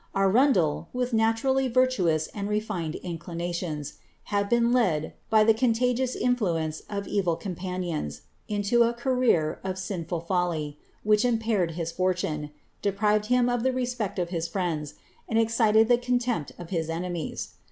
Arundel, with naturally Tirtuous and refined inclinations, had been led, by the contagious influ ence of evil companions, into a career of sinful folly, which impaired his fortune, deprived him of the respect of his friends, and excited the contempt of his enemies.